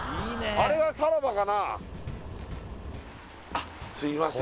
あれがタラバかなすいません